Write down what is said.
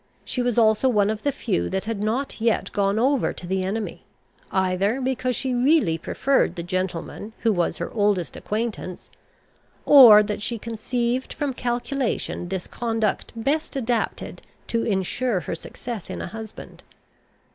She was also one of the few that had not yet gone over to the enemy, either because she really preferred the gentleman who was her oldest acquaintance, or that she conceived from calculation this conduct best adapted to insure her success in a husband.